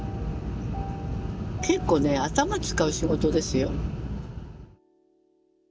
結構ね頭使う仕事ですよ。